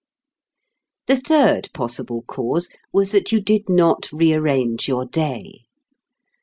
The third possible cause was that you did not rearrange your day.